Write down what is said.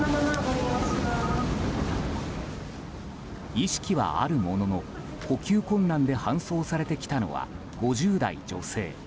意識はあるものの呼吸困難で搬送されてきたのは５０代女性。